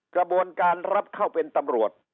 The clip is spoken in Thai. กระบวนการรับเข้าเป็นตำรวจ